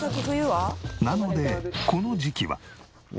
なのでこの時期は。